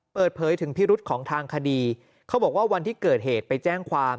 เปิดเผยถึงพิรุษของทางคดีเขาบอกว่าวันที่เกิดเหตุไปแจ้งความ